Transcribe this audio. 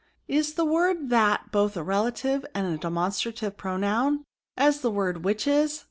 Is the word that both a relative and a demonstrative pronoun, as the word which is